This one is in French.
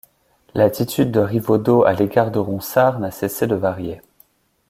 L'attitude de Rivaudeau à l'égard de Ronsard n'a cessé de varier.